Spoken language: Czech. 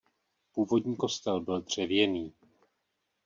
Původní kostel byl dřevěný.